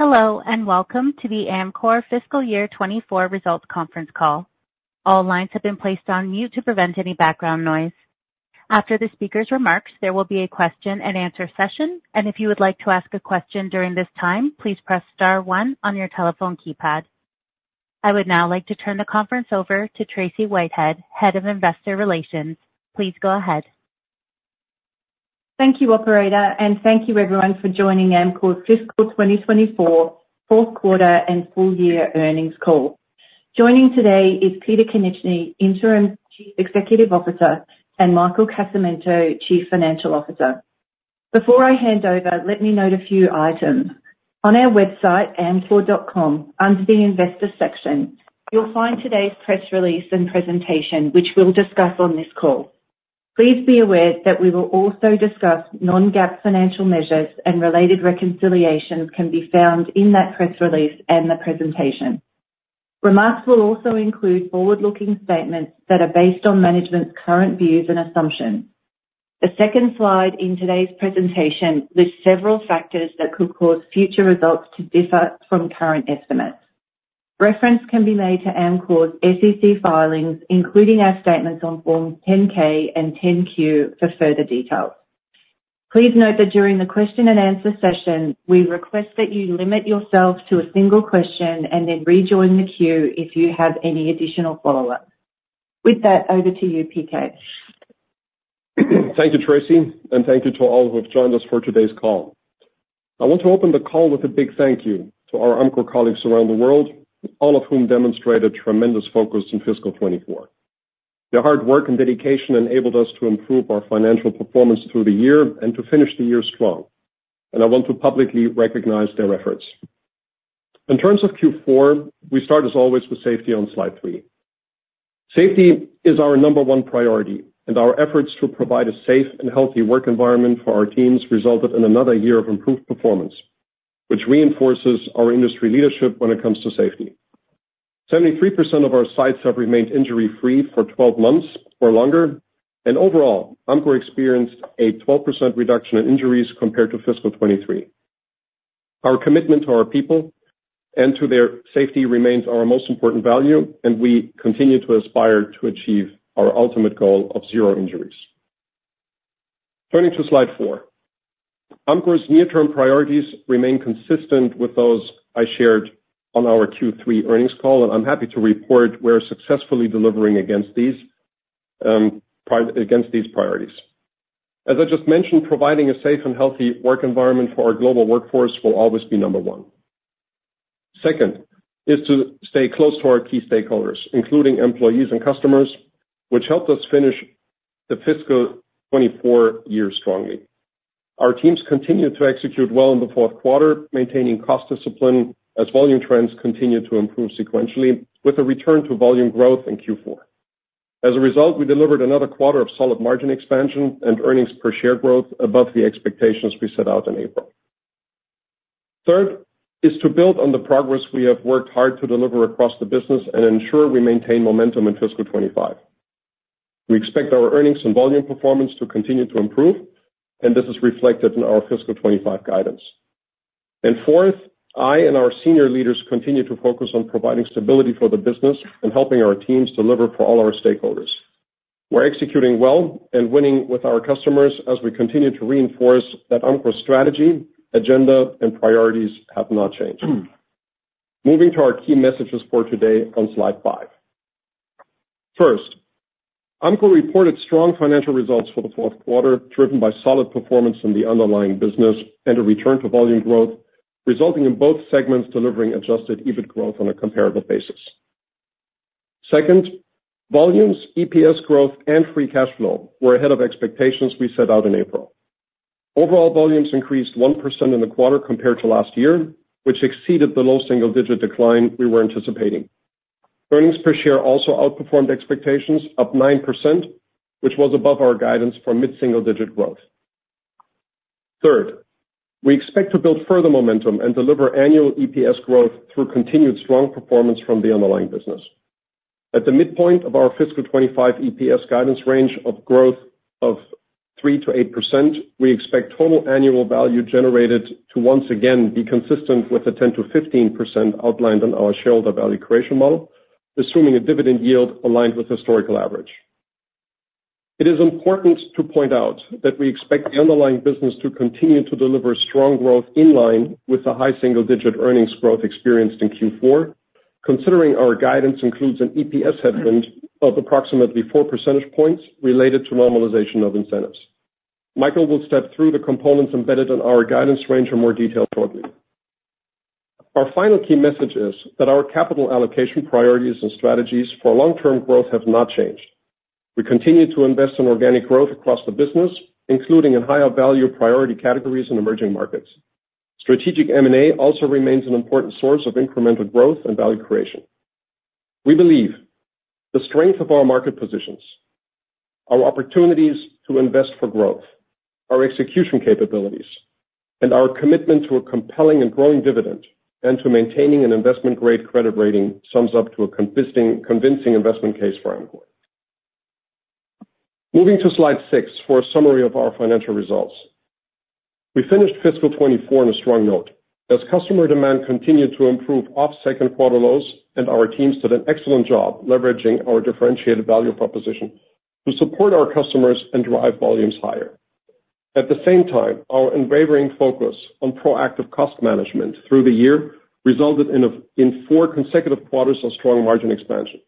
Hello, and welcome to the Amcor Fiscal Year 2024 Results Conference Call. All lines have been placed on mute to prevent any background noise. After the speaker's remarks, there will be a question and answer session, and if you would like to ask a question during this time, please press star one on your telephone keypad. I would now like to turn the conference over to Tracey Whitehead, Head of Investor Relations. Please go ahead. Thank you, operator, and thank you everyone for joining Amcor's Fiscal 2024 Q4 and Full Year Earnings Call. Joining today is Peter Konieczny, Interim Chief Executive Officer, and Michael Casamento, Chief Financial Officer. Before I hand over, let me note a few items. On our website, amcor.com, under the Investor section, you'll find today's press release and presentation, which we'll discuss on this call. Please be aware that we will also discuss non-GAAP financial measures, and related reconciliations can be found in that press release and the presentation. Remarks will also include forward-looking statements that are based on management's current views and assumptions. The second slide in today's presentation lists several factors that could cause future results to differ from current estimates. Reference can be made to Amcor's SEC filings, including our statements on Form 10-K and 10-Q for further details. Please note that during the question and answer session, we request that you limit yourself to a single question and then rejoin the queue if you have any additional follow-up. With that, over to you, PK. Thank you, Tracy, and thank you to all who have joined us for today's call. I want to open the call with a big thank you to our Amcor colleagues around the world, all of whom demonstrated tremendous focus in fiscal 2024. Their hard work and dedication enabled us to improve our financial performance through the year and to finish the year strong, and I want to publicly recognize their efforts. In terms of Q4, we start, as always, with safety on slide three. Safety is our number one priority, and our efforts to provide a safe and healthy work environment for our teams resulted in another year of improved performance, which reinforces our industry leadership when it comes to safety. 73% of our sites have remained injury-free for 12 months or longer, and overall, Amcor experienced a 12% reduction in injuries compared to fiscal 2023. Our commitment to our people and to their safety remains our most important value, and we continue to aspire to achieve our ultimate goal of zero injuries. Turning to slide four. Amcor's near-term priorities remain consistent with those I shared on our Q3 earnings call, and I'm happy to report we're successfully delivering against these priorities. As I just mentioned, providing a safe and healthy work environment for our global workforce will always be number one. Second, is to stay close to our key stakeholders, including employees and customers, which helped us finish the fiscal 2024 year strongly. Our teams continued to execute well in the Q4, maintaining cost discipline as volume trends continued to improve sequentially, with a return to volume growth in Q4. As a result, we delivered another quarter of solid margin expansion and earnings per share growth above the expectations we set out in April. Third, is to build on the progress we have worked hard to deliver across the business and ensure we maintain momentum in fiscal 2025. We expect our earnings and volume performance to continue to improve, and this is reflected in our fiscal 2025 guidance. Fourth, I and our senior leaders continue to focus on providing stability for the business and helping our teams deliver for all our stakeholders. We're executing well and winning with our customers as we continue to reinforce that Amcor's strategy, agenda, and priorities have not changed. Moving to our key messages for today on slide 5. First, Amcor reported strong financial results for the Q4, driven by solid performance in the underlying business and a return to volume growth, resulting in both segments delivering Adjusted EBIT growth on a comparable basis. Second, volumes, EPS growth, and free cash flow were ahead of expectations we set out in April. Overall volumes increased 1% in the quarter compared to last year, which exceeded the low single-digit decline we were anticipating. Earnings per share also outperformed expectations, up 9%, which was above our guidance for mid-single-digit growth. Third, we expect to build further momentum and deliver annual EPS growth through continued strong performance from the underlying business. At the midpoint of our fiscal 2025 EPS guidance range of growth of 3% to 8%, we expect total annual value generated to once again be consistent with the 10% to 5% outlined on our shareholder value creation model, assuming a dividend yield aligned with historical average. It is important to point out that we expect the underlying business to continue to deliver strong growth in line with the high single-digit earnings growth experienced in Q4, considering our guidance includes an EPS headwind of approximately 4% points related to normalization of incentives. Michael will step through the components embedded in our guidance range in more detail shortly. Our final key message is that our capital allocation priorities and strategies for long-term growth have not changed. We continue to invest in organic growth across the business, including in higher value priority categories in emerging markets. Strategic M&A also remains an important source of incremental growth and value creation. We believe the strength of our market positions, our opportunities to invest for growth, our execution capabilities, and our commitment to a compelling and growing dividend, and to maintaining an investment-grade credit rating sums up to a convincing, convincing investment case for Amcor. Moving to slide six for a summary of our financial results. We finished fiscal 2024 on a strong note, as customer demand continued to improve off Q2 lows, and our teams did an excellent job leveraging our differentiated value proposition to support our customers and drive volumes higher. At the same time, our unwavering focus on proactive cost management through the year resulted in four consecutive quarters of strong margin expansion.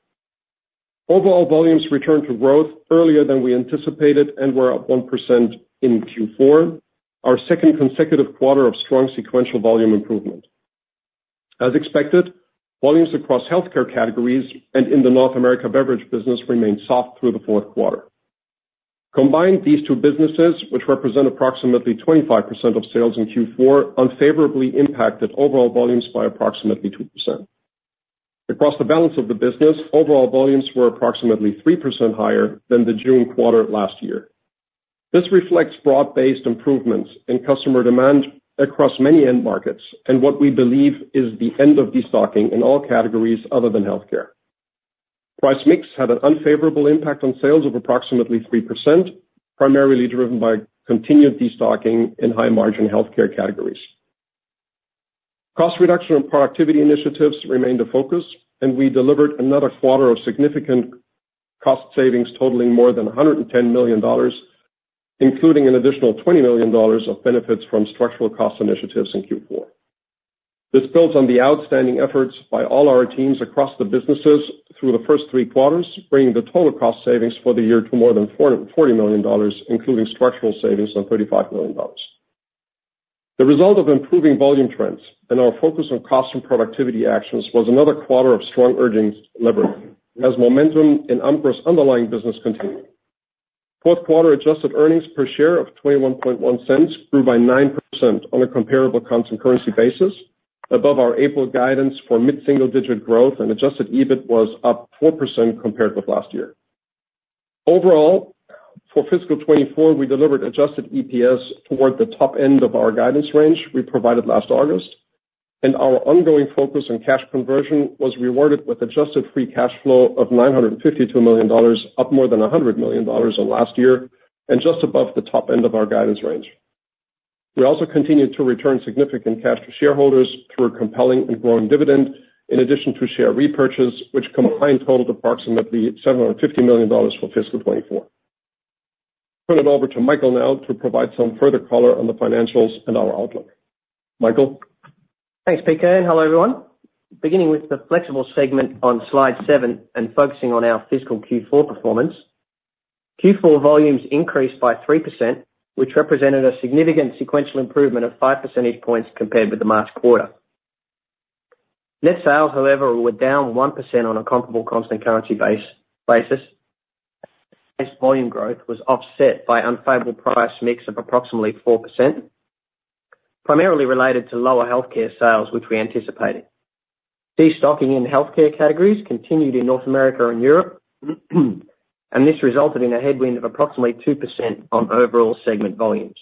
Overall volumes returned to growth earlier than we anticipated and were up 1% in Q4, our second consecutive quarter of strong sequential volume improvement. As expected, volumes across healthcare categories and in the North America beverage business remained soft through the Q4. Combined, these two businesses, which represent approximately 25% of sales in Q4, unfavorably impacted overall volumes by approximately 2%. Across the balance of the business, overall volumes were approximately 3% higher than the June quarter last year. This reflects broad-based improvements in customer demand across many end markets and what we believe is the end of destocking in all categories other than healthcare. Price mix had an unfavorable impact on sales of approximately 3%, primarily driven by continued destocking in high-margin healthcare categories. Cost reduction and productivity initiatives remained a focus, and we delivered another quarter of significant cost savings, totaling more than $110 million, including an additional $20 million of benefits from structural cost initiatives in Q4. This builds on the outstanding efforts by all our teams across the businesses through the first three quarters, bringing the total cost savings for the year to more than $440 million, including structural savings of $35 million. The result of improving volume trends and our focus on cost and productivity actions was another quarter of strong earnings leverage, as momentum in Amcor's underlying business continued. Q4 adjusted earnings per share of $0.211 grew by 9% on a comparable constant currency basis, above our April guidance for mid-single-digit growth, and adjusted EBIT was up 4% compared with last year. Overall, for fiscal 2024, we delivered adjusted EPS toward the top end of our guidance range we provided last August, and our ongoing focus on cash conversion was rewarded with adjusted free cash flow of $952 million, up more than $100 million on last year, and just above the top end of our guidance range. We also continued to return significant cash to shareholders through a compelling and growing dividend, in addition to share repurchases, which combined totaled approximately $750 million for fiscal 2024. Turn it over to Michael now to provide some further color on the financials and our outlook. Michael? Thanks, Peter, and hello, everyone. Beginning with the Flexibles segment on Slide 7 and focusing on our fiscal Q4 performance. Q4 volumes increased by 3%, which represented a significant sequential improvement of five percentage points compared with the last quarter. Net sales, however, were down 1% on a comparable constant currency basis. This volume growth was offset by unfavorable price mix of approximately 4%, primarily related to lower healthcare sales, which we anticipated. Destocking in the healthcare categories continued in North America and Europe, and this resulted in a headwind of approximately 2% on overall segment volumes.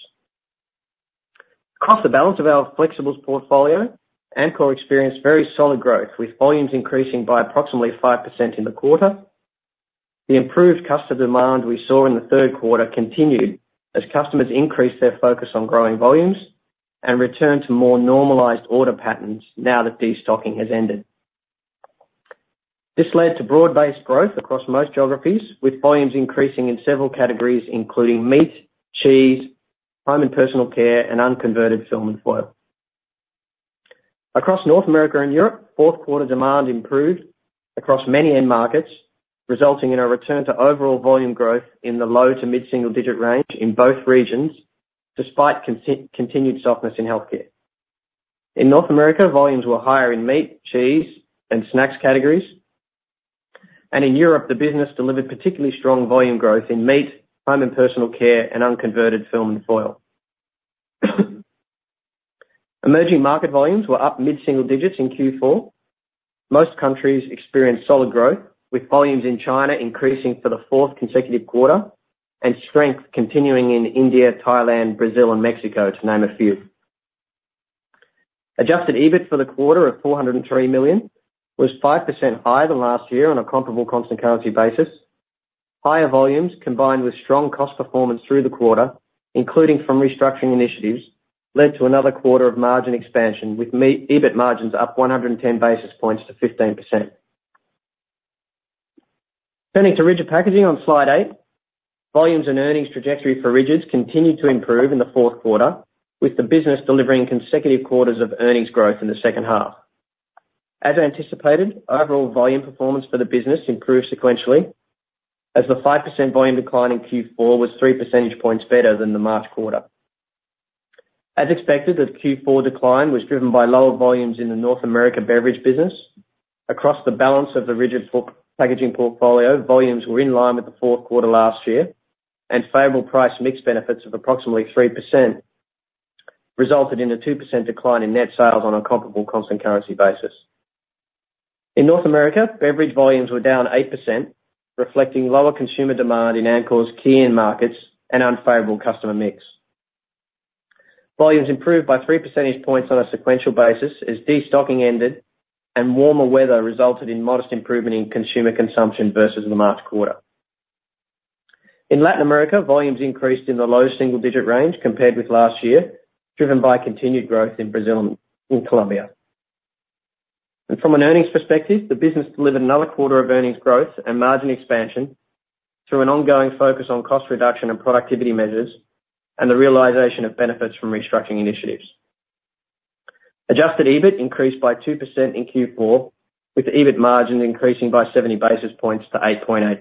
Across the balance of our Flexibles portfolio, Amcor experienced very solid growth, with volumes increasing by approximately 5% in the quarter. The improved customer demand we saw in the Q3 continued as customers increased their focus on growing volumes and returned to more normalized order patterns now that destocking has ended. This led to broad-based growth across most geographies, with volumes increasing in several categories, including meat, cheese, home and personal care, and unconverted film and foil. Across North America and Europe, Q4 demand improved across many end markets, resulting in a return to overall volume growth in the low- to mid-single-digit range in both regions, despite continued softness in healthcare. In North America, volumes were higher in meat, cheese, and snacks categories, and in Europe, the business delivered particularly strong volume growth in meat, home and personal care, and unconverted film and foil. Emerging market volumes were up mid-single digits in Q4. Most countries experienced solid growth, with volumes in China increasing for the fourth consecutive quarter, and strength continuing in India, Thailand, Brazil, and Mexico, to name a few. Adjusted EBIT for the quarter of $403 million was 5% higher than last year on a comparable constant currency basis. Higher volumes, combined with strong cost performance through the quarter, including from restructuring initiatives, led to another quarter of margin expansion, with Adjusted EBIT margins up 110 basis points to 15%. Turning to Rigid Packaging on Slide eight, volumes and earnings trajectory for Rigids continued to improve in the Q4, with the business delivering consecutive quarters of earnings growth in the second half. As anticipated, overall volume performance for the business improved sequentially, as the 5% volume decline in Q4 was 3% points better than the March quarter. As expected, the Q4 decline was driven by lower volumes in the North America beverage business. Across the balance of the Rigid Packaging portfolio, volumes were in line with the Q4 last year, and favorable price mix benefits of approximately 3% resulted in a 2% decline in net sales on a comparable constant currency basis. In North America, beverage volumes were down 8%, reflecting lower consumer demand in Amcor's key end markets and unfavorable customer mix. Volumes improved by three percentage points on a sequential basis, as destocking ended and warmer weather resulted in modest improvement in consumer consumption versus the March quarter. In Latin America, volumes increased in the low single-digit range compared with last year, driven by continued growth in Brazil and in Colombia. From an earnings perspective, the business delivered another quarter of earnings growth and margin expansion through an ongoing focus on cost reduction and productivity measures, and the realization of benefits from restructuring initiatives. Adjusted EBIT increased by 2% in Q4, with EBIT margins increasing by 70 basis points to 8.8%.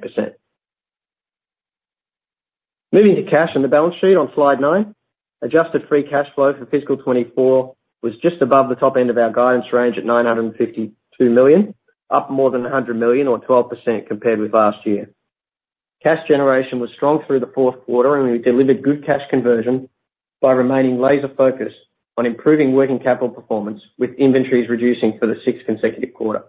Moving to cash on the balance sheet on slide 9, adjusted free cash flow for fiscal 2024 was just above the top end of our guidance range at $952 million, up more than $100 million, or 12% compared with last year. Cash generation was strong through the Q4, and we delivered good cash conversion by remaining laser focused on improving working capital performance, with inventories reducing for the sixth consecutive quarter.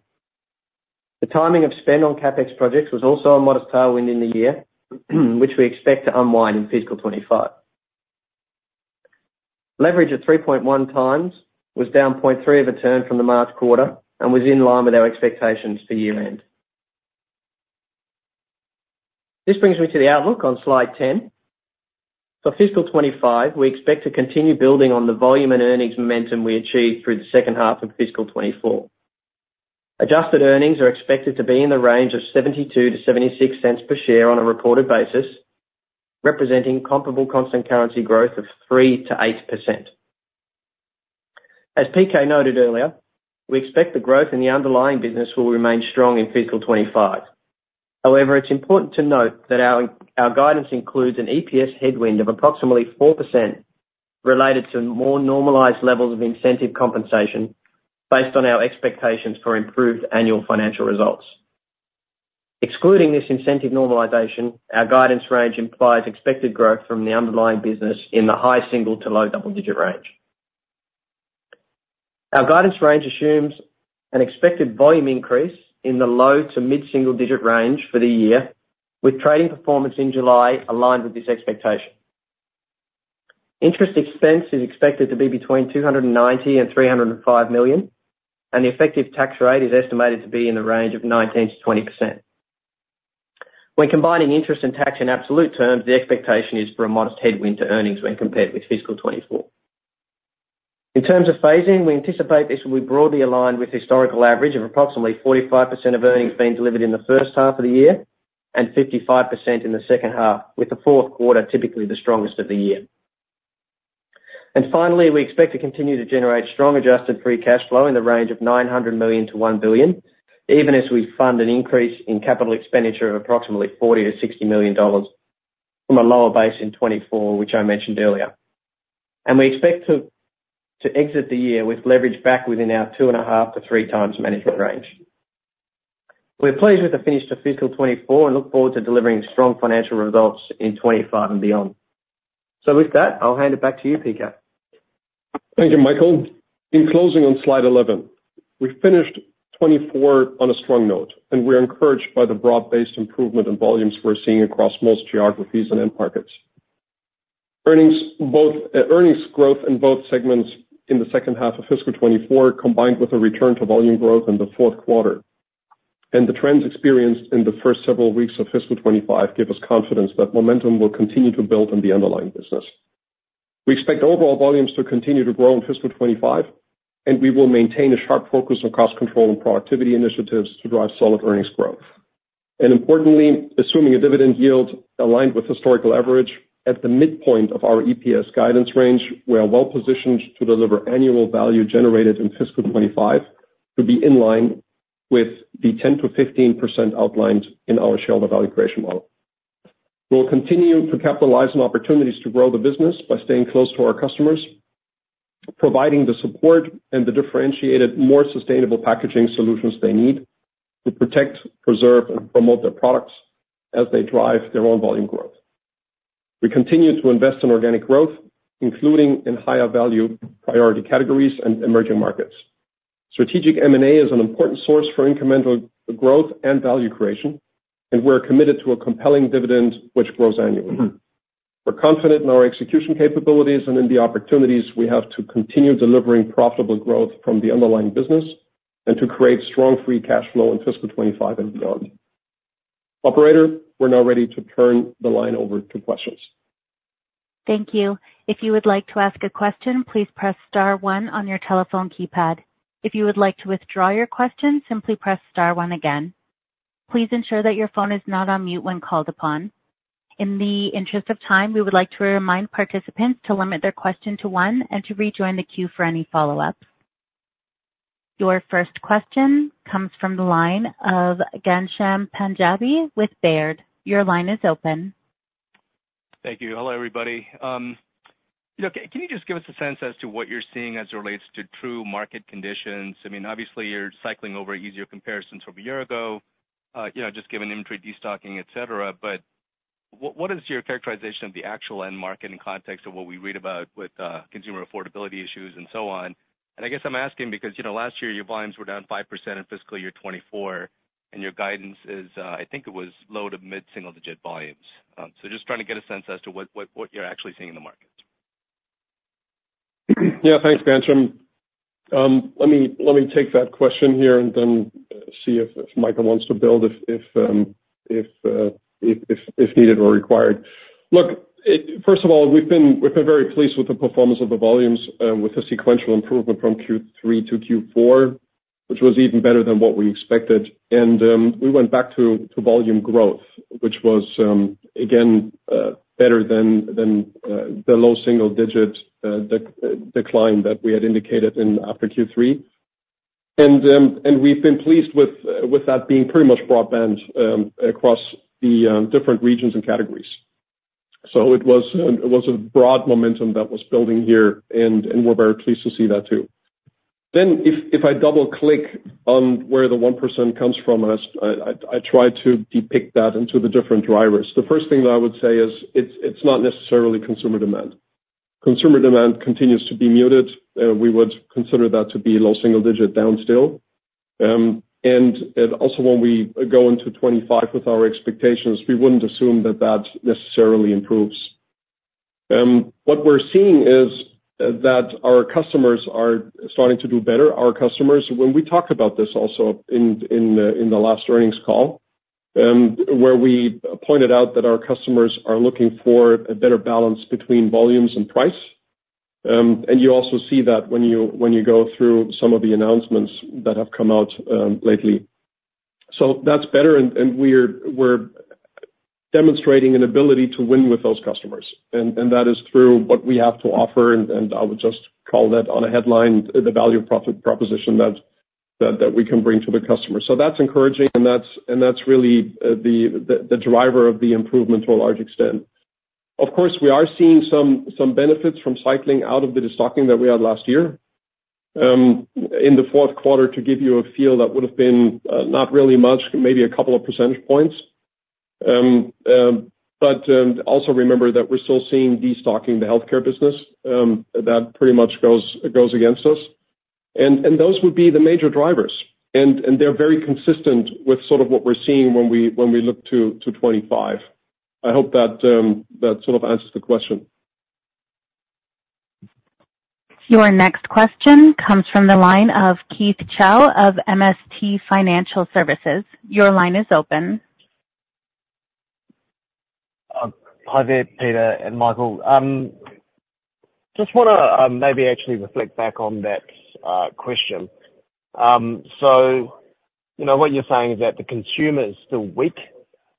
The timing of spend on CapEx projects was also a modest tailwind in the year, which we expect to unwind in fiscal 2025. Leverage at 3.1x was down 0.3 of a turn from the March quarter and was in line with our expectations for year-end. This brings me to the outlook on slide 10. For fiscal 2025, we expect to continue building on the volume and earnings momentum we achieved through the second half of fiscal 2024. Adjusted earnings are expected to be in the range of $0.72 to $0.76 per share on a reported basis, representing comparable constant currency growth of 3% to 8%. As PK noted earlier, we expect the growth in the underlying business will remain strong in fiscal 2025. However, it's important to note that our guidance includes an EPS headwind of approximately 4% related to more normalized levels of incentive compensation, based on our expectations for improved annual financial results. Excluding this incentive normalization, our guidance range implies expected growth from the underlying business in the high single- to low double-digit range. Our guidance range assumes an expected volume increase in the low- to mid-single-digit range for the year, with trading performance in July aligned with this expectation. Interest expense is expected to be between $290 million and $305 million, and the effective tax rate is estimated to be in the range of 19% to 20%. When combining interest and tax in absolute terms, the expectation is for a modest headwind to earnings when compared with fiscal 2024. In terms of phasing, we anticipate this will be broadly aligned with historical average of approximately 45% of earnings being delivered in the first half of the year and 55% in the second half, with the Q4 typically the strongest of the year. Finally, we expect to continue to generate strong adjusted free cash flow in the range of $900 million to 1 billion, even as we fund an increase in capital expenditure of approximately $40 to 60 million from a lower base in 2024, which I mentioned earlier. We expect to exit the year with leverage back within our 2.5 to 3 times management range. We're pleased with the finish to fiscal 2024 and look forward to delivering strong financial results in 2025 and beyond. With that, I'll hand it back to you, PK. Thank you, Michael. In closing on slide 11, we finished 2024 on a strong note, and we're encouraged by the broad-based improvement in volumes we're seeing across most geographies and end markets. Earnings, both earnings growth in both segments in the second half of fiscal 2024, combined with a return to volume growth in the Q4. The trends experienced in the first several weeks of fiscal 2025 give us confidence that momentum will continue to build on the underlying business. We expect overall volumes to continue to grow in fiscal 2025, and we will maintain a sharp focus on cost control and productivity initiatives to drive solid earnings growth. Importantly, assuming a dividend yield aligned with historical average, at the midpoint of our EPS guidance range, we are well positioned to deliver annual value generated in fiscal 2025 to be in line with the 10%-15% outlined in our Shareholder Value Creation Model. We'll continue to capitalize on opportunities to grow the business by staying close to our customers, providing the support and the differentiated, more sustainable packaging solutions they need to protect, preserve, and promote their products as they drive their own volume growth. We continue to invest in organic growth, including in high value priority categories and emerging markets. Strategic M&A is an important source for incremental growth and value creation, and we're committed to a compelling dividend, which grows annually. We're confident in our execution capabilities and in the opportunities we have to continue delivering profitable growth from the underlying business and to create strong free cash flow in fiscal 2025 and beyond. Operator, we're now ready to turn the line over to questions. Thank you. If you would like to ask a question, please press star one on your telephone keypad. If you would like to withdraw your question, simply press star one again. Please ensure that your phone is not on mute when called upon. In the interest of time, we would like to remind participants to limit their question to one and to rejoin the queue for any follow-up. Your first question comes from the line of Ghansham Panjabi with Baird. Your line is open. Thank you. Hello, everybody. Look, can you just give us a sense as to what you're seeing as it relates to true market conditions? I mean, obviously, you're cycling over easier comparisons from a year ago, you know, just given inventory, destocking, et cetera. What, what is your characterization of the actual end market in context of what we read about with, consumer affordability issues and so on? And I guess I'm asking because, you know, last year your volumes were down 5% in fiscal year 2024, and your guidance is, I think it was low- to mid-single-digit volumes. Just trying to get a sense as to what, what, what you're actually seeing in the market. Thanks, Ghansham. Let me take that question here and then see if Michael wants to build if needed or required. Look, it first of all, we've been very pleased with the performance of the volumes with the sequential improvement from Q3 to Q4, which was even better than what we expected. We went back to volume growth, which was again better than the low single-digit decline that we had indicated after Q3. We've been pleased with that being pretty much broad-based across the different regions and categories. It was a broad momentum that was building here, and we're very pleased to see that, too. Then, I double-click on where the 1% comes from, and I try to depict that into the different drivers. The first thing that I would say is it's not necessarily consumer demand. Consumer demand continues to be muted, we would consider that to be low single-digit down still. When we go into 25 with our expectations, we wouldn't assume that that necessarily improves. What we're seeing is that our customers are starting to do better. Our customers, when we talked about this also in the last earnings call, where we pointed out that our customers are looking for a better balance between volumes and price. You also see that when you go through some of the announcements that have come out lately. That's better, and we're demonstrating an ability to win with those customers, and that is through what we have to offer, and I would just call that on a headline, the value proposition that we can bring to the customer. That's encouraging, and that's really the driver of the improvement to a large extent. Of course, we are seeing some benefits from cycling out of the destocking that we had last year. In the Q4, to give you a feel, that would have been not really much, maybe a couple of percentage points. But also remember that we're still seeing destocking in the healthcare business, that pretty much goes against us. Those would be the major drivers, and they're very consistent with sort of what we're seeing when we look to 25. I hope that sort of answers the question. Your next question comes from the line of Keith Chau of MST Financial. Your line is open. Hi there, Peter and Michael. Just wanna, maybe actually reflect back on that question. You know, what you're saying is that the consumer is still weak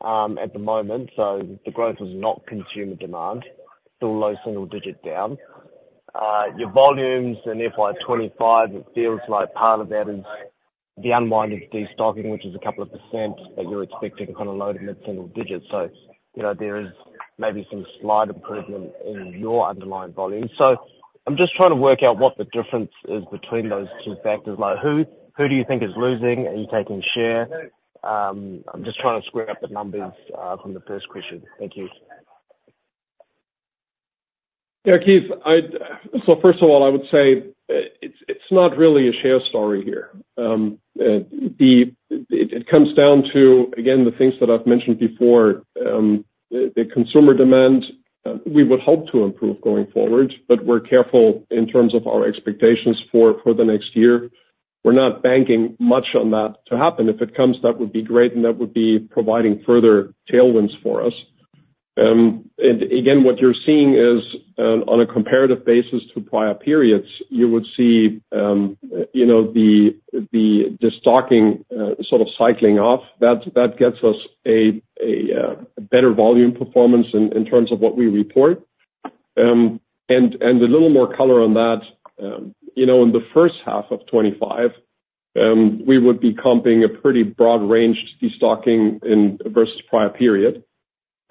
at the moment, so the growth is not consumer demand, still low single-digit down. Your volumes in FY 25, it feels like part of that is the unwind of destocking, which is a couple of percent, but you're expecting kind of low- to mid-single digits. You know, there is maybe some slight improvement in your underlying volumes. I'm just trying to work out what the difference is between those two factors. Like, who do you think is losing? Are you taking share? I'm just trying to square up the numbers from the first question. Thank you. Keith, I'd -- so first of all, I would say, it's not really a share story here. It comes down to, again, the things that I've mentioned before. The consumer demand, we would hope to improve going forward, but we're careful in terms of our expectations for the next year. We're not banking much on that to happen. If it comes, that would be great, and that would be providing further tailwinds for us. Again, what you're seeing is, on a comparative basis to prior periods, you would see, you know, the destocking sort of cycling off. That gets us a better volume performance in terms of what we report. A little more color on that, you know, in the first half of 2025, we would be comping a pretty broad range destocking in versus prior period.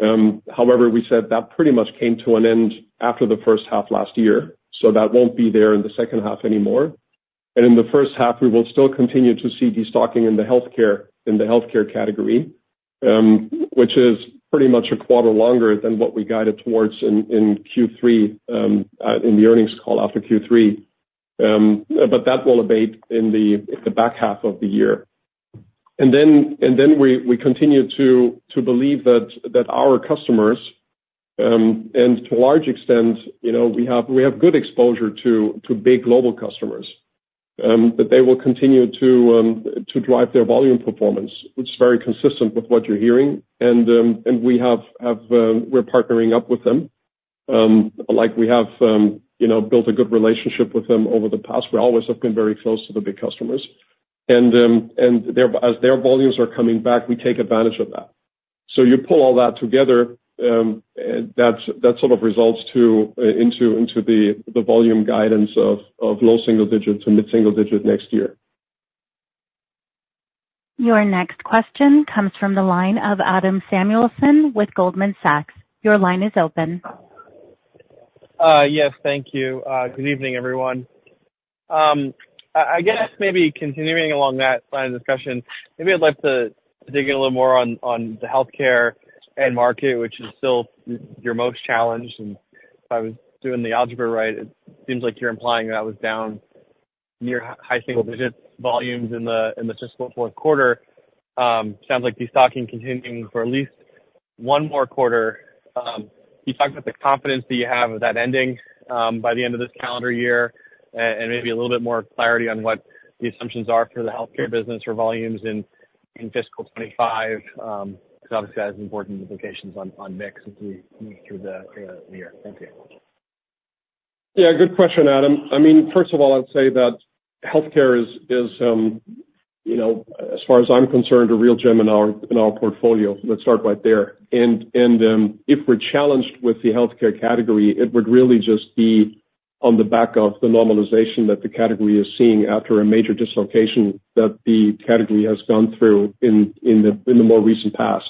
However, we said that pretty much came to an end after the first half last year, so that won't be there in the second half anymore. In the first half, we will still continue to see destocking in the healthcare, in the healthcare category, which is pretty much a quarter longer than what we guided towards in Q3, in the earnings call after Q3. But that will abate in the back half of the year. We continue to believe that our customers, and to a large extent, you know, we have good exposure to big global customers, that they will continue to drive their volume performance. It's very consistent with what you're hearing, and we're partnering up with them. Like we have, you know, built a good relationship with them over the past. We always have been very close to the big customers. As their volumes are coming back, we take advantage of that. You pull all that together, and that's what sort of results in the volume guidance of low single digits to mid-single digit next year. Your next question comes from the line of Adam Samuelson with Goldman Sachs. Your line is open. Yes, thank you. Good evening, everyone. I guess maybe continuing along that line of discussion, maybe I'd like to dig in a little more on the healthcare end market, which is still your most challenged, and if I was doing the algebra right, it seems like you're implying that was down, near high single-digit volumes in the fiscal Q4. Sounds like destocking continuing for at least one more quarter. You talked about the confidence that you have of that ending by the end of this calendar year, and maybe a little bit more clarity on what the assumptions are for the healthcare business or volumes in fiscal 2025. Because obviously that has important implications on mix as we move through the year. Thank you. Good question, Adam. I mean, first of all, I'd say that healthcare is you know, as far as I'm concerned, a real gem in our portfolio. Let's start right there. If we're challenged with the healthcare category, it would really just be on the back of the normalization that the category is seeing after a major dislocation that the category has gone through in the more recent past.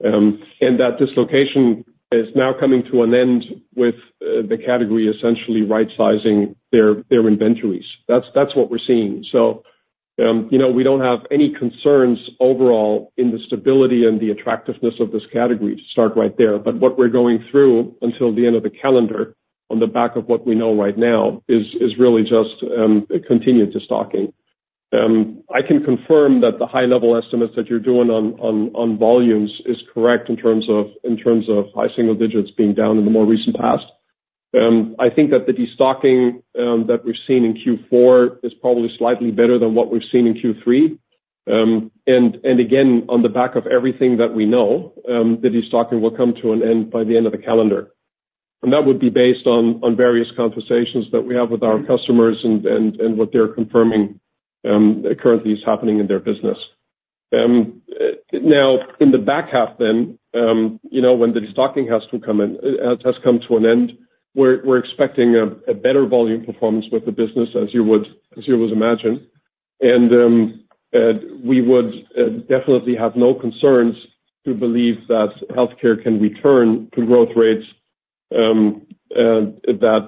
That dislocation is now coming to an end with the category essentially rightsizing their inventories. That's what we're seeing. You know, we don't have any concerns overall in the stability and the attractiveness of this category to start right there. What we're going through until the end of the calendar, on the back of what we know right now, is really just a continued destocking. I can confirm that the high level estimates that you're doing on volumes is correct in terms of high single digits being down in the more recent past. I think that the destocking that we've seen in Q4 is probably slightly better than what we've seen in Q3. Again, on the back of everything that we know, the destocking will come to an end by the end of the calendar. That would be based on various conversations that we have with our customers and what they're confirming currently is happening in their business. Now, in the back half then, you know, when the destocking has come to an end, we're expecting a better volume performance with the business, as you would imagine. We would definitely have no concerns to believe that healthcare can return to growth rates that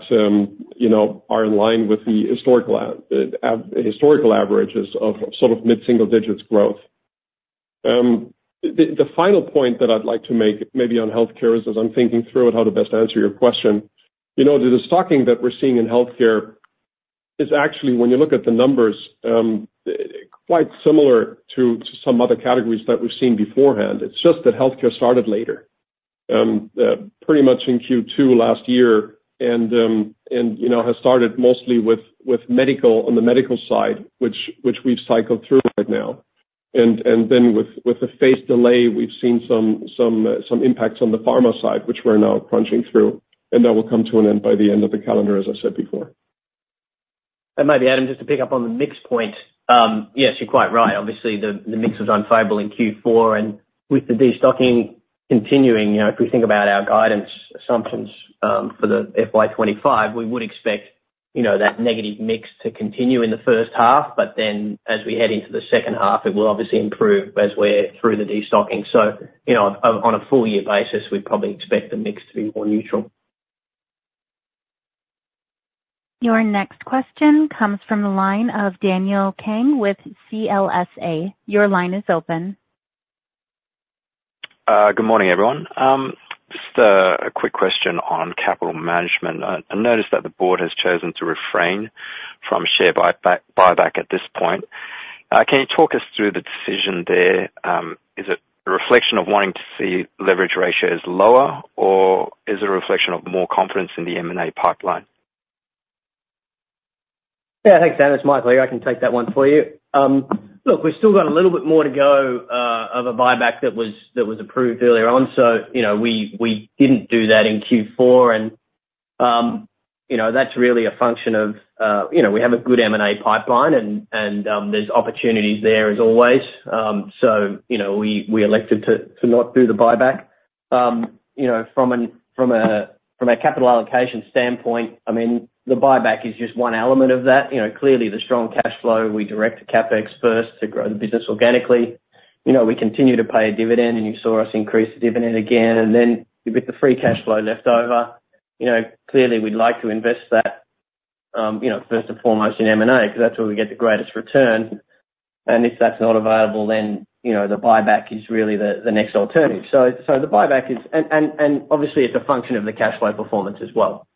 you know are in line with the historical averages of sort of mid-single digits growth. The final point that I'd like to make, maybe on healthcare, as I'm thinking through on how to best answer your question, you know, the destocking that we're seeing in healthcare is actually, when you look at the numbers, quite similar to some other categories that we've seen beforehand. It's just that healthcare started later, pretty much in Q2 last year, and you know, has started mostly with medical, on the medical side, which we've cycled through right now. With the phase delay, we've seen some impacts on the pharma side, which we're now crunching through, and that will come to an end by the end of the calendar, as I said before. Adam, just to pick up on the mix point. Yes, you're quite right. Obviously, the mix was unfavorable in Q4, and with the destocking continuing, you know, if we think about our guidance assumptions, for the FY 2025, we would expect, you know, that negative mix to continue in the first half, but then as we head into the second half, it will obviously improve as we're through the destocking. You know, on a full year basis, we'd probably expect the mix to be more neutral. Your next question comes from the line of Daniel Kang with CLSA. Your line is open. Good morning, everyone. Just a quick question on capital management. I noticed that the board has chosen to refrain from share buyback at this point. Can you talk us through the decision there? Is it a reflection of wanting to see leverage ratios lower, or is it a reflection of more confidence in the M&A pipeline? Thanks, Dan. It's Mike here. I can take that one for you. Look, we've still got a little bit more to go of a buyback that was approved earlier on. You know, we didn't do that in Q4, and you know, that's really a function of you know, we have a good M&A pipeline and there's opportunities there as always. You know, we elected to not do the buyback. You know, from a capital allocation standpoint, I mean, the buyback is just one element of that. You know, clearly, the strong cash flow we direct to CapEx first to grow the business organically. You know, we continue to pay a dividend, and you saw us increase the dividend again. With the free cash flow left over, you know, clearly we'd like to invest that, you know, first and foremost in M&A, because that's where we get the greatest return. If that's not available, then, you know, the buyback is really the next alternative. The buyback is, obviously it's a function of the cash flow performance as well.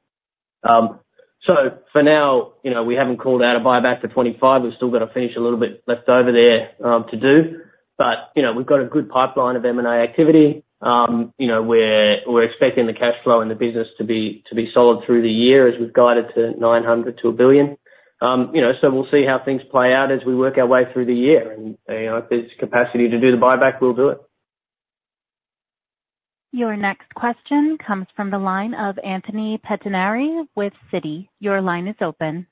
For now, you know, we haven't called out a buyback for 25. We've still got to finish a little bit left over there to do, but, you know, we've got a good pipeline of M&A activity. You know, we're expecting the cash flow in the business to be solid through the year, as we've guided to $900 million to 1 billion. You know, so we'll see how things play out as we work our way through the year. You know, if there's capacity to do the buyback, we'll do it. Your next question comes from the line of Anthony Pettinari with Citi. Your line is open.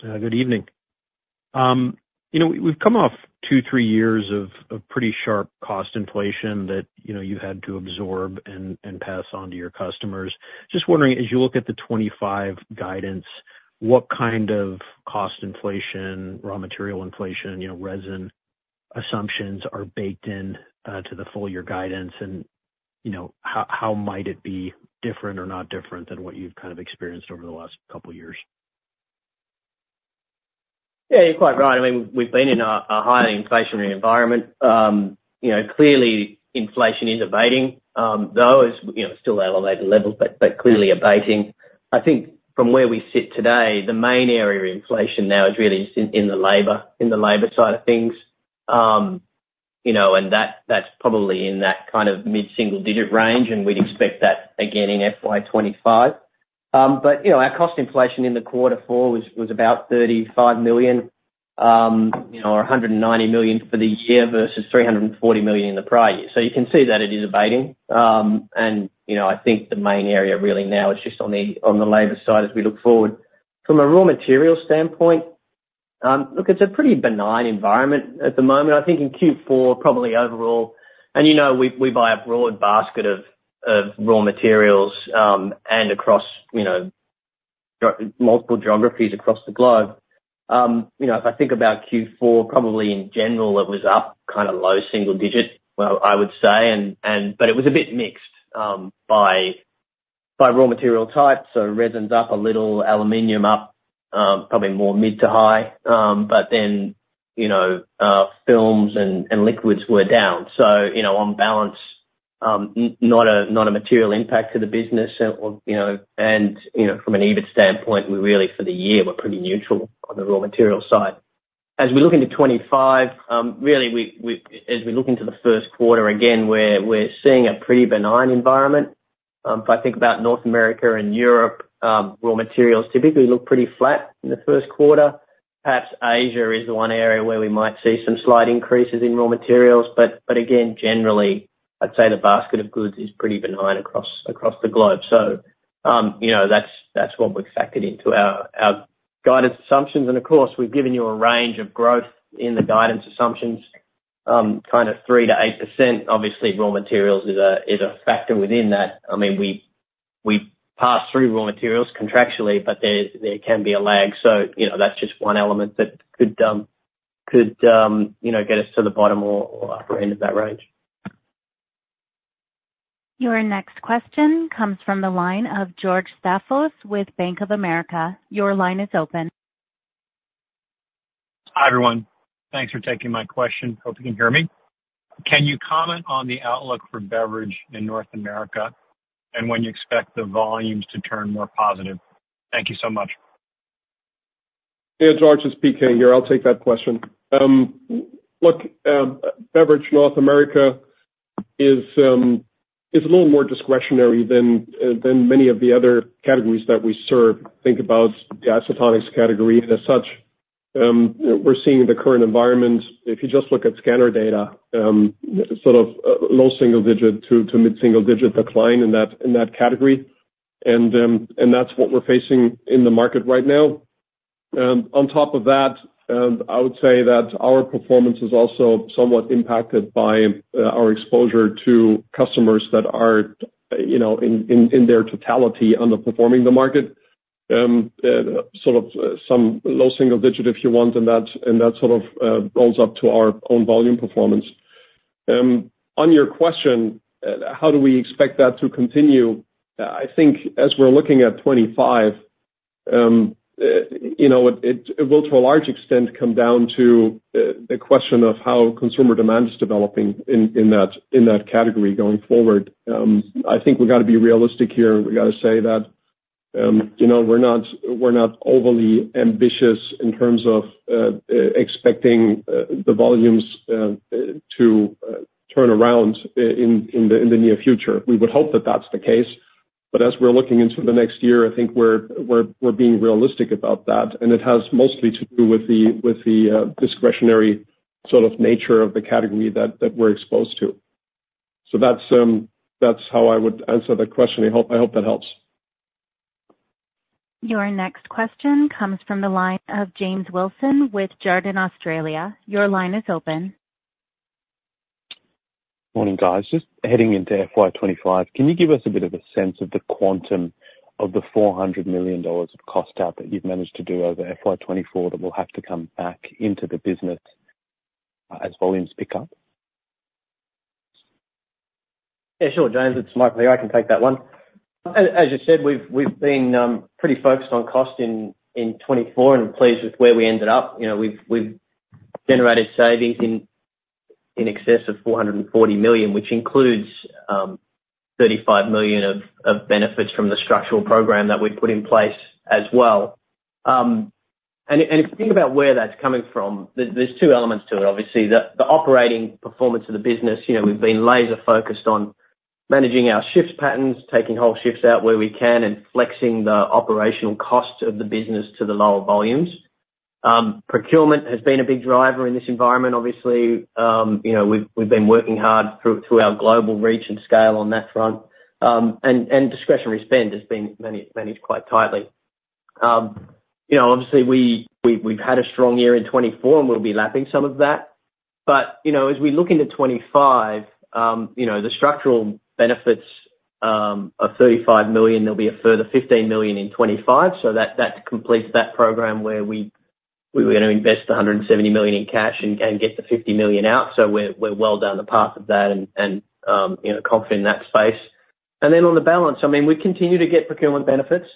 Good evening. You know, we've come off two, three years of pretty sharp cost inflation that, you know, you had to absorb and pass on to your customers. Just wondering, as you look at the 2025 guidance, what kind of cost inflation, raw material inflation, you know, resin assumptions are baked in to the full year guidance? And, you know, how might it be different or not different than what you've kind of experienced over the last couple years? You're quite right. I mean, we've been in a highly inflationary environment. You know, clearly inflation is abating, though, as you know, still at elevated levels, but clearly abating. I think from where we sit today, the main area of inflation now is really just in the labor side of things. You know, and that, that's probably in that kind of mid-single digit range, and we'd expect that again in FY 2025. You know, our cost inflation in quarter four was about $35 million, or $190 million for the year versus $340 million in the prior year. You can see that it is abating. You know, I think the main area really now is just on the labor side as we look forward. From a raw material standpoint, look, it's a pretty benign environment at the moment. I think in Q4, probably overall, and, you know, we buy a broad basket of raw materials and across multiple geographies across the globe. You know, if I think about Q4, probably in general, it was up kind of low single digits, well, I would say, but it was a bit mixed by raw material type, so resins up a little, aluminum up probably more mid to high, but then, you know, films and liquids were down. So, you know, on balance, not a material impact to the business. Or, you know, from an EBIT standpoint, we really for the year were pretty neutral on the raw material side. As we look into 2025, really, as we look into the Q1, again, we're seeing a pretty benign environment. If I think about North America and Europe, raw materials typically look pretty flat in the Q1. Perhaps Asia is the one area where we might see some slight increases in raw materials, but again, generally, I'd say the basket of goods is pretty benign across the globe. You know, that's what we've factored into our guidance assumptions. Of course, we've given you a range of growth in the guidance assumptions, kind of 3% to 8%. Obviously, raw materials is a factor within that. We pass through raw materials contractually, but there can be a lag. You know, that's just one element that could you know, get us to the bottom or upper end of that range. Your next question comes from the line of George Staphos with Bank of America. Your line is open. Hi, everyone. Thanks for taking my question. Hope you can hear me. Can you comment on the outlook for beverage in North America, and when you expect the volumes to turn more positive? Thank you so much. Hey, George, it's PK here. I'll take that question. Look, Beverage North America is a little more discretionary than many of the other categories that we serve. Think about the isotonics category. And as such, we're seeing the current environment, if you just look at scanner data, sort of low-single-digit to mid-single-digit decline in that category. That's what we're facing in the market right now. On top of that, I would say that our performance is also somewhat impacted by our exposure to customers that are, you know, in their totality, underperforming the market. Sort of some low single digit, if you want, and that sort of rolls up to our own volume performance. On your question, how do we expect that to continue? I think as we're looking at 2025, you know, it will, to a large extent, come down to the question of how consumer demand is developing in that category going forward. I think we've got to be realistic here. We've got to say that, you know, we're not overly ambitious in terms of expecting the volumes to turn around in the near future. We would hope that that's the case, but as we're looking into the next year, I think we're being realistic about that, and it has mostly to do with the discretionary sort of nature of the category that we're exposed to. That's how I would answer that question. I hope, I hope that helps. Your next question comes from the line of James Wilson with Jarden Australia. Your line is open. Morning, guys. Just heading into FY 2025, can you give us a bit of a sense of the quantum of the $400 million of cost out that you've managed to do over FY 2024, that will have to come back into the business, as volumes pick up? Sure, James, it's Mike here. I can take that one. As you said, we've been pretty focused on cost in 2024 and pleased with where we ended up. You know, we've generated savings in excess of $440 million, which includes $35 million of benefits from the structural program that we've put in place as well. If you think about where that's coming from, there's two elements to it, obviously. The operating performance of the business, you know, we've been laser-focused on managing our shifts patterns, taking whole shifts out where we can, and flexing the operational costs of the business to the lower volumes. Procurement has been a big driver in this environment, obviously. You know, we've been working hard through our global reach and scale on that front. Discretionary spend has been managed quite tightly. You know, obviously, we've had a strong year in 2024, and we'll be lapping some of that. But, you know, as we look into 2025, you know, the structural benefits of $35 million, there'll be a further $15 million in 2025. That completes that program where we were gonna invest $170 million in cash and get the $50 million out. We're well down the path of that, you know, confident in that space. On the balance, I mean, we continue to get procurement benefits.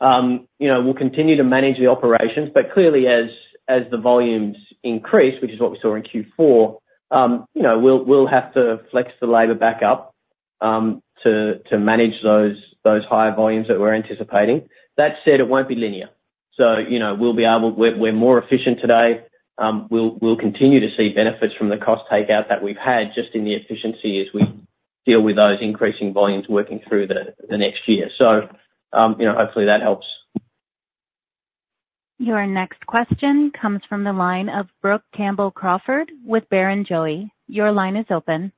You know, we'll continue to manage the operations, but clearly, as the volumes increase, which is what we saw in Q4, you know, we'll have to flex the labor back up, to manage those higher volumes that we're anticipating. That said, it won't be linear. You know, we'll be able, we're more efficient today. We'll continue to see benefits from the cost takeout that we've had just in the efficiency as we deal with those increasing volumes working through the next year. You know, hopefully that helps. Your next question comes from the line of Brook Campbell-Crawford with Barrenjoey. Your line is open.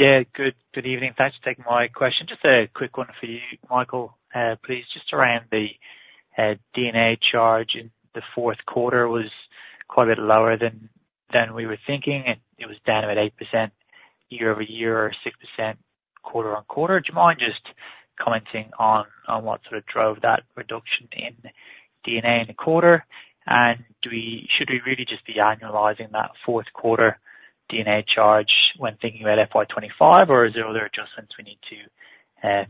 Good evening. Thanks for taking my question. Just a quick one for you, Michael, please, just around the D&A charge in the Q4 was quite a bit lower than we were thinking. It was down about 8% year-over-year, or 6% quarter-on-quarter. Do you mind just commenting on what sort of drove that reduction in D&A in the quarter? And should we really just be annualizing that Q4 D&A charge when thinking about FY 2025, or are there other adjustments we need to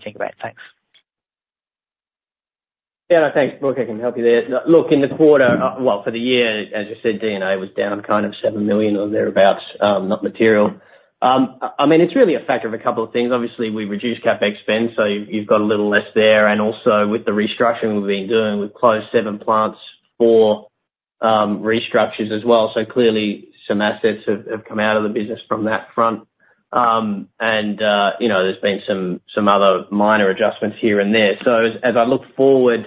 think about? Thanks. Thanks, Brook. I can help you there. Look, in the quarter, well, for the year, as you said, D&A was down kind of $7 million or thereabout, not material. It's really a factor of a couple of things. Obviously, we reduced CapEx spend, so you've got a little less there. Also, with the restructuring we've been doing, we've closed seven plants for restructures as well. Clearly some assets have come out of the business from that front. And, you know, there's been some other minor adjustments here and there. As I look forward,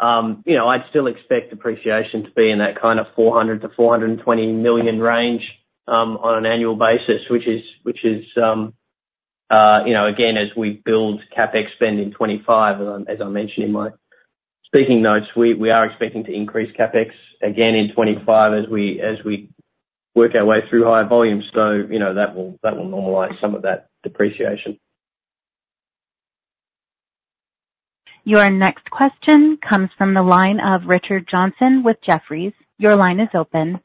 you know, I'd still expect depreciation to be in that kind of $400 to 420 million range, on an annual basis, which is, you know, again, as we build CapEx spend in 2025. As I mentioned in my speaking notes, we are expecting to increase CapEx again in 2025 as we work our way through higher volumes. You know, that will normalize some of that depreciation. Your next question comes from the line of Richard Johnson with Jefferies. Your line is open.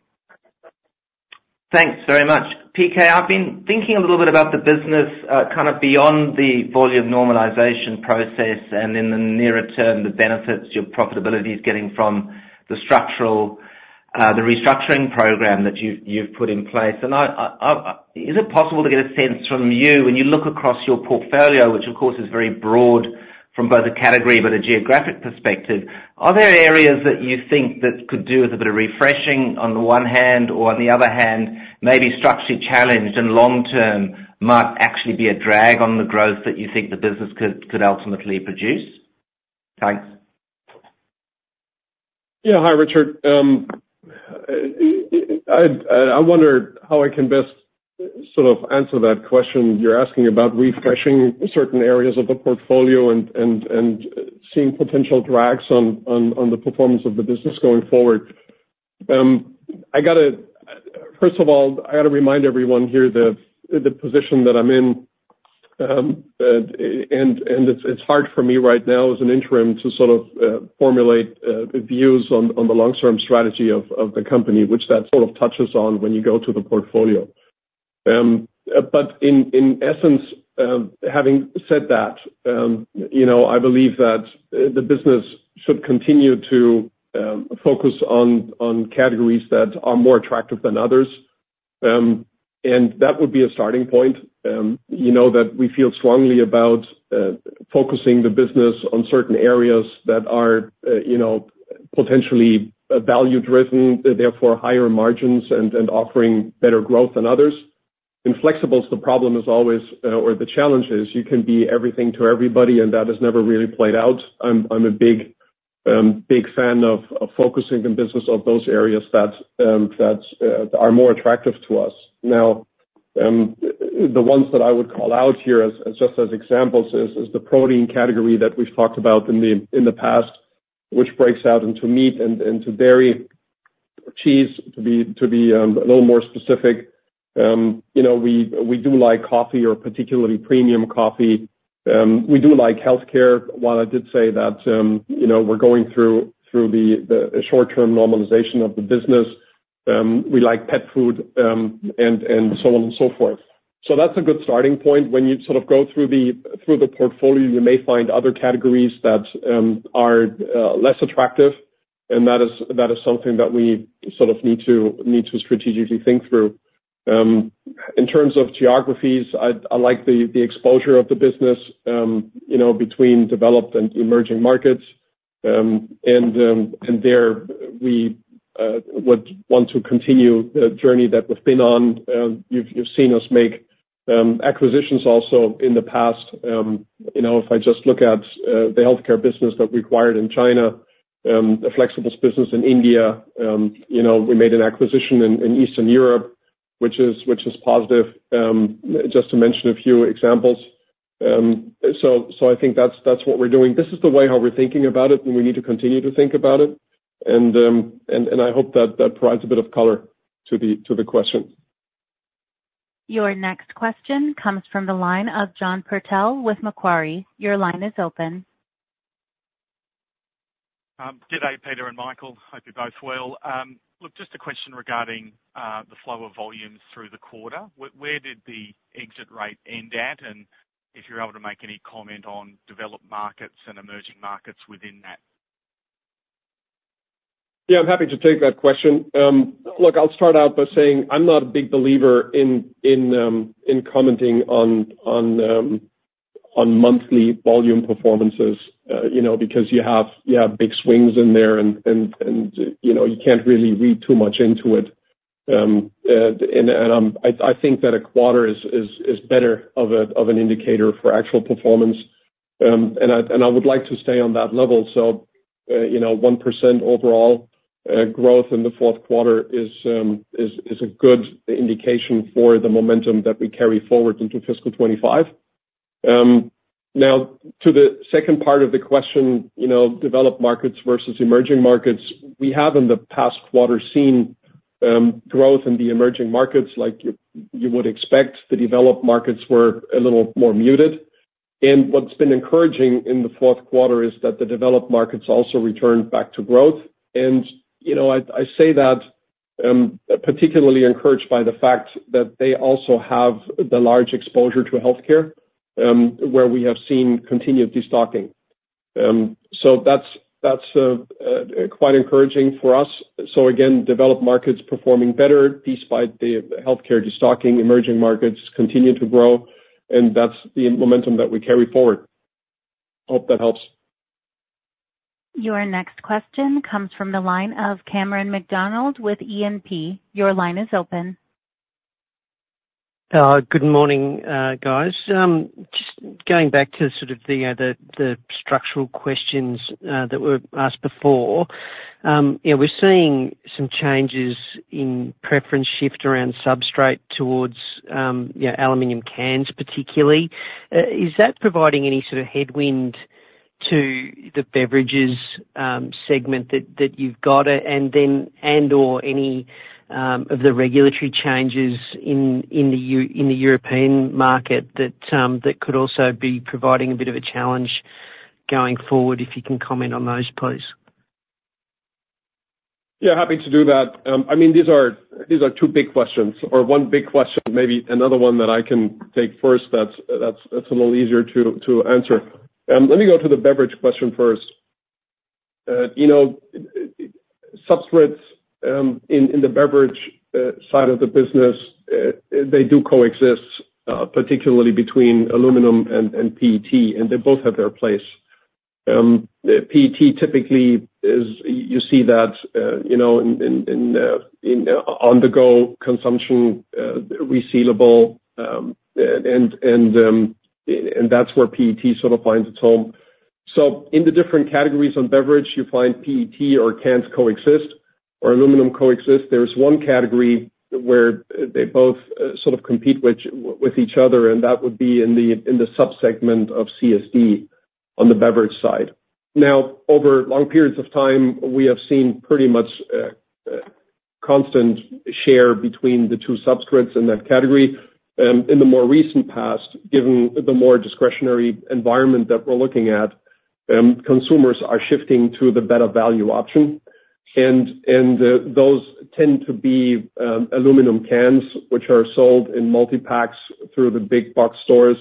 Thanks very much. PK, I've been thinking a little bit about the business, kind of beyond the volume normalization process and in the nearer term, the benefits your profitability is getting from the structural, the restructuring program that you've put in place. Is it possible to get a sense from you when you look across your portfolio, which of course is very broad from both a category but a geographic perspective, are there areas that you think that could do with a bit of refreshing on the one hand, or on the other hand, maybe structurally challenged and long term might actually be a drag on the growth that you think the business could ultimately produce? Thanks. Yeah. Hi, Richard. I wonder how I can best sort of answer that question. You're asking about refreshing certain areas of the portfolio and seeing potential drags on the performance of the business going forward. First of all, I gotta remind everyone here that the position that I'm in and it's hard for me right now as an interim to sort of formulate views on the long-term strategy of the company, which that sort of touches on when you go to the portfolio. But in essence, you know, I believe that the business should continue to focus on categories that are more attractive than others. And that would be a starting point, you know, that we feel strongly about, focusing the business on certain areas that are, you know, potentially value-driven, therefore higher margins and, and offering better growth than others. In Flexibles, the problem is always, or the challenge is, you can be everything to everybody, and that has never really played out. I'm, I'm a big, big fan of, of focusing the business on those areas that, that, are more attractive to us. Now, the ones that I would call out here as, as just as examples is, is the protein category that we've talked about in the, in the past, which breaks out into meat and, and to dairy, cheese, to be, to be, a little more specific. You know, we, we do like coffee or particularly premium coffee. We do like healthcare. While I did say that, you know, we're going through the short-term normalization of the business, we like pet food, and so on and so forth. That's a good starting point. When you sort of go through the portfolio, you may find other categories that are less attractive, and that is something that we sort of need to strategically think through. In terms of geographies, I like the exposure of the business, you know, between developed and emerging markets. There, we would want to continue the journey that we've been on. You've seen us make acquisitions also in the past. You know, if I just look at the healthcare business that we acquired in China, a flexibles business in India, you know, we made an acquisition in Eastern Europe, which is positive, just to mention a few examples. I think that's what we're doing. This is the way how we're thinking about it, and we need to continue to think about it. I hope that provides a bit of color to the question. Your next question comes from the line of John Purtell with Macquarie. Your line is open. Good day, Peter and Michael. Hope you're both well. Look, just a question regarding the flow of volumes through the quarter. Where did the exit rate end at? If you're able to make any comment on developed markets and emerging markets within that. I'm happy to take that question. Look, I'll start out by saying I'm not a big believer in commenting on monthly volume performances, you know, because you have big swings in there and you know, you can't really read too much into it. I think that a quarter is better of an indicator for actual performance. I would like to stay on that level. You know, 1% overall growth in the Q4 is a good indication for the momentum that we carry forward into fiscal 2025. Now, to the second part of the question, you know, developed markets versus emerging markets, we have, in the past quarter, seen growth in the emerging markets, like you would expect. The developed markets were a little more muted. What's been encouraging in the Q4 is that the developed markets also returned back to growth. You know, I say that, particularly encouraged by the fact that they also have the large exposure to healthcare, where we have seen continued destocking. That's quite encouraging for us. Again, developed markets performing better despite the healthcare destocking. Emerging markets continue to grow, and that's the momentum that we carry forward. Hope that helps. Your next question comes from the line of Cameron McDonald with E&P. Your line is open. Good morning, guys. Just going back to sort of the structural questions that were asked before. Yeah, we're seeing some changes in preference shift around substrate towards, you know, aluminum cans, particularly. Is that providing any sort of headwind to the beverages segment that you've got, and/or any of the regulatory changes in the European market that could also be providing a bit of a challenge going forward? If you can comment on those, please. Happy to do that. I mean, these are two big questions, or one big question, maybe another one that I can take first, that's a little easier to answer. Let me go to the beverage question first. You know, substrates in the beverage side of the business, they do coexist, particularly between aluminum and PET, and they both have their place. PET typically is, you see that, you know, in on-the-go consumption, resealable, and that's where PET sort of finds its home. So in the different categories on beverage, you find PET or cans coexist, or aluminum coexist. There's one category where they both sort of compete with each other, and that would be in the subsegment of CSD on the beverage side. Now, over long periods of time, we have seen pretty much constant share between the two substrates in that category. In the more recent past, given the more discretionary environment that we're looking at, consumers are shifting to the better value option, and those tend to be aluminum cans, which are sold in multi-packs through the big box stores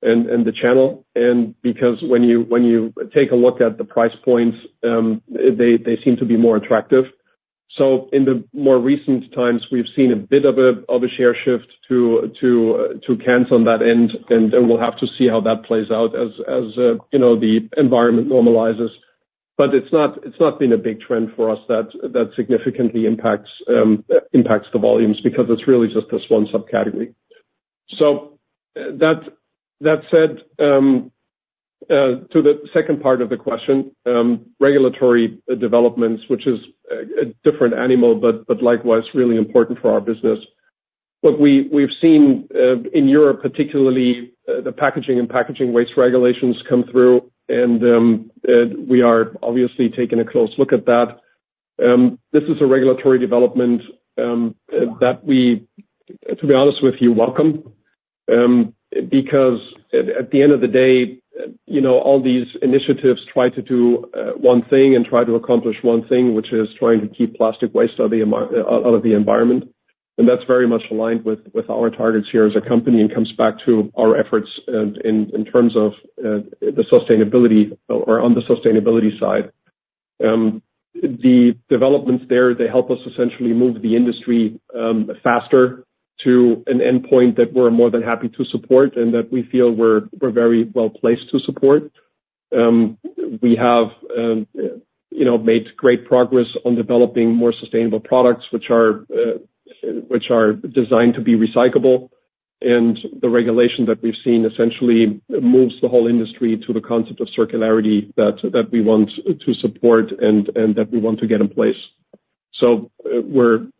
and the channel. And because when you take a look at the price points, they seem to be more attractive. In the more recent times, we've seen a bit of a share shift to cans on that end, and then we'll have to see how that plays out as you know, the environment normalizes. It's not been a big trend for us that significantly impacts the volumes, because it's really just this one subcategory. T hat said, to the second part of the question, regulatory developments, which is a different animal, but likewise really important for our business. Look, we've seen in Europe particularly the packaging and packaging waste regulations come through, and we are obviously taking a close look at that. This is a regulatory development that we, to be honest with you, welcome because at the end of the day, you know, all these initiatives try to do one thing and try to accomplish one thing, which is trying to keep plastic waste out of the environment. That's very much aligned with our targets here as a company, and comes back to our efforts in terms of the sustainability or on the sustainability side. The developments there, they help us essentially move the industry faster to an endpoint that we're more than happy to support and that we feel we're very well placed to support. We have, you know, made great progress on developing more sustainable products which are designed to be recyclable, and the regulation that we've seen essentially moves the whole industry to the concept of circularity that we want to support and that we want to get in place.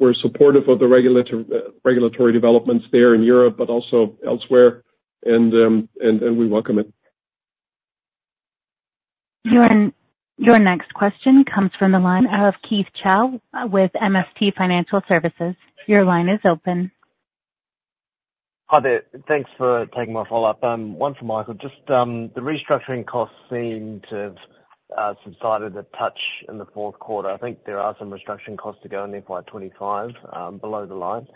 We're supportive of the regulatory developments there in Europe, but also elsewhere, and we welcome it. Your next question comes from the line of Keith Chau with MST Financial. Your line is open. Hi there. Thanks for taking my follow-up. One for Michael, just, the restructuring costs seem to have subsided a touch in the Q4. I think there are some restructuring costs to go in FY 25, below the line.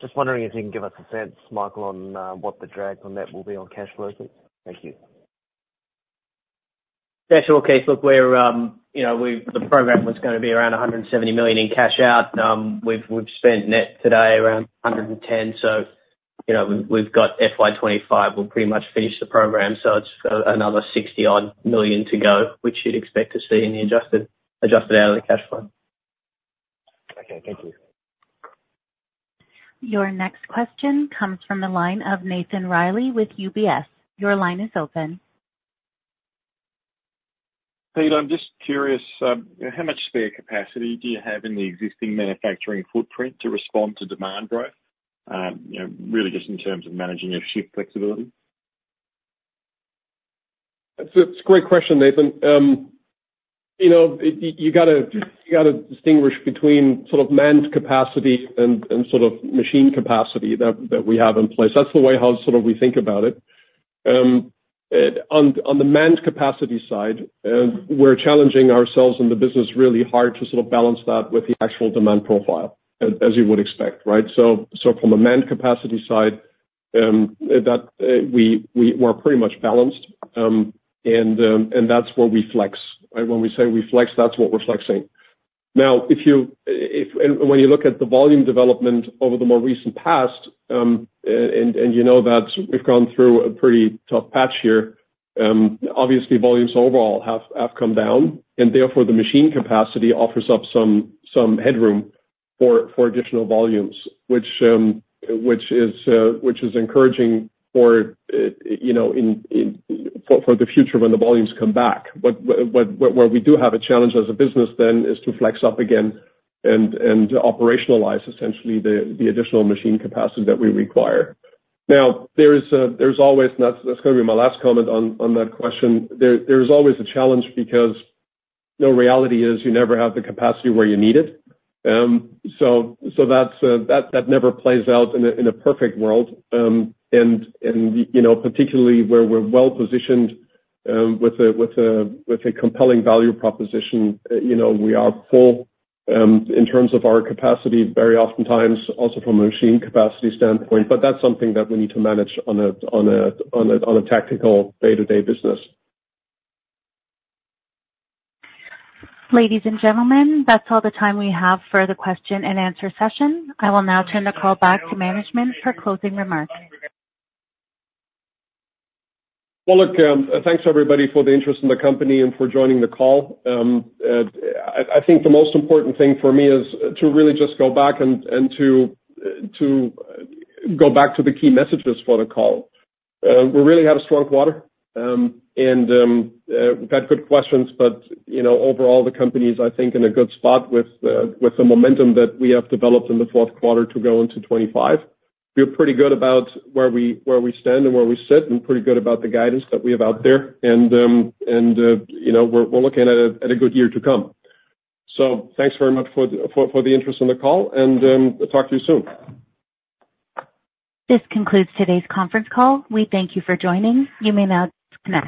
Just wondering if you can give us a sense, Michael, on what the drag on that will be on cash flows? Thank you. Sure, Keith. Look, we're, you know, we've the program was gonna be around $170 million in cash out. We've spent net today around $110, so, you know, we've got FY 2025, we'll pretty much finish the program. it's another 60-odd million to go, which you'd expect to see in the adjusted free cash flow. Okay, thank you. Your next question comes from the line of Nathan Reilly with UBS. Your line is open. Pete, I'm just curious, how much spare capacity do you have in the existing manufacturing footprint to respond to demand growth? You know, really just in terms of managing your shift flexibility. It's a great question, Nathan. You know, you going to distinguish between sort of manned capacity and sort of machine capacity that we have in place. That's the way how sort of we think about it. On the manned capacity side, we're challenging ourselves and the business really hard to sort of balance that with the actual demand profile, as you would expect, right? From a manned capacity side, we're pretty much balanced. That's where we flex, right? When we say we flex, that's what we're flexing. Now, if you, if and when you look at the volume development over the more recent past, and you know that we've gone through a pretty tough patch here, obviously, volumes overall have come down, and therefore, the machine capacity offers up some headroom for additional volumes, which is encouraging for you know, for the future when the volumes come back. Where we do have a challenge as a business then is to flex up again and to operationalize essentially the additional machine capacity that we require. Now, there's always, and that's gonna be my last comment on that question. There's always a challenge because the reality is you never have the capacity where you need it. That's that never plays out in a perfect world. You know, particularly where we're well positioned with a compelling value proposition, you know, we are full in terms of our capacity, very oftentimes also from a machine capacity standpoint, but that's something that we need to manage on a tactical day-to-day business. Ladies and gentlemen, that's all the time we have for the question and answer session. I will now turn the call back to management for closing remarks. Well, look, thanks, everybody, for the interest in the company and for joining the call. I think the most important thing for me is to really just go back to the key messages for the call. We really had a strong quarter, and we've had good questions, you know, overall, the company is, I think, in a good spot with the momentum that we have developed in the Q4 to go into 2025. We're pretty good about where we stand and where we sit, and pretty good about the guidance that we have out there. You know, we're looking at a good year to come. Thanks very much for the interest in the call, and talk to you soon. This concludes today's conference call. We thank you for joining. You may now disconnect.